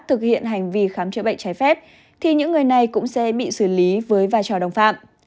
thực hiện hành vi khám chữa bệnh trái phép thì những người này cũng sẽ bị xử lý với vai trò đồng phạm